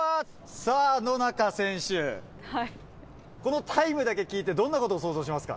さあ、野中選手、このタイムだけ聞いてどんなことを想像してますか？